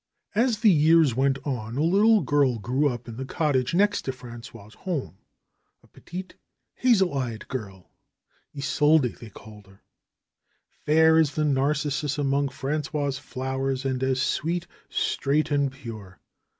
As the years went on a little girl grew up in the cot tage next to Frangois' home. A petite, hazel eyed girl ; Isolde they called her. Fair as the narcissus among Frangois' flowers and as sweet, straight and pure.